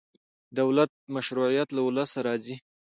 د دولت مشروعیت له ولس راځي